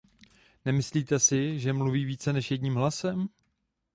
Nemyslíte si, že mluví více než jedním hlasem?